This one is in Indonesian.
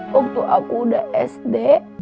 waktu aku udah sd